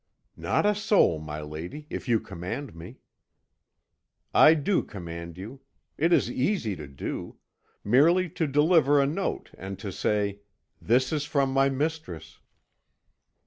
"Not a soul, my lady, if you command me." "I do command you. It is easy to do merely to deliver a note, and to say: 'This is from my mistress.'"